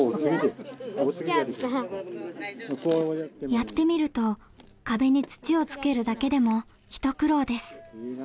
やってみると壁に土をつけるだけでも一苦労です。